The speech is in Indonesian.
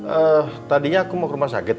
eh tadinya aku mau ke rumah sakit